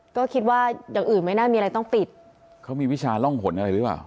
ก็คิดว่าอย่างอื่นไม่น่ามีอะไรต้องปิดเขามีวิชาร่องหนอะไรหรือเปล่า